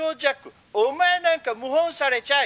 お前なんか謀反されちゃえ！